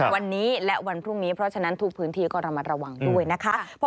วันนี้และวันพรุ่งนี้เพราะฉะนั้นทุกพื้นที่ก็ระมัดระวังด้วยนะคะ